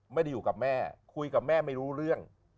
ไม่ได้อยู่กับแม่คุยกับแม่ไม่รู้เรื่อง